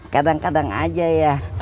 kadang kadang aja ya